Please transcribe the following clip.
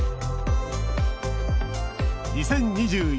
２０２１年